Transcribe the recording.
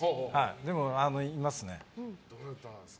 でも、いますね。